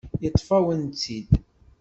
Yeṭṭef-awen-tt-id.